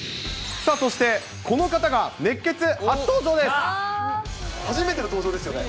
さあそして、この方が熱ケツ初登場です。